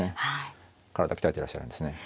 体鍛えてらっしゃるんですね。